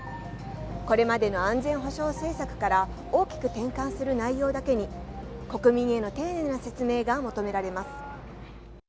これまでの安全保障政策から大きく転換する内容だけに国民への丁寧な説明が求められます。